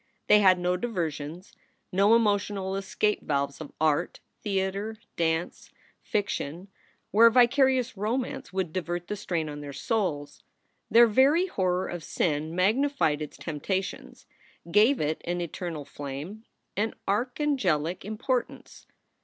They had no diversions, no emotional escape valves of art, theater, dance, fiction, where vicarious romance would divert the strain on their souls. Their very horror of sin magnified its temptations, gave it an eternal flame, an archangelic importance.